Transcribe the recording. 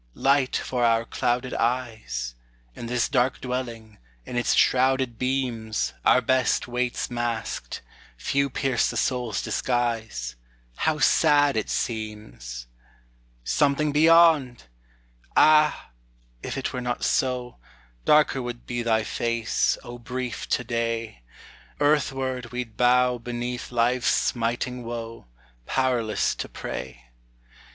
Light for our clouded eyes! In this dark dwelling, in its shrouded beams, Our best waits masked, few pierce the soul's disguise; How sad it seems! Something beyond! Ah, if it were not so, Darker would be thy face, O brief To day; Earthward we 'd bow beneath life's smiting woe, Powerless to pray.